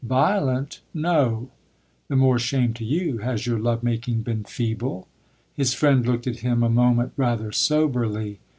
"Violent? No." "The more shame to you! Has your love making been feeble?" His friend looked at him a moment rather soberly.